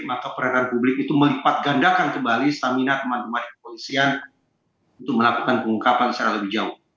maka peranan publik itu melipat gandakan kembali stamina teman teman kepolisian untuk melakukan pengungkapan secara lebih jauh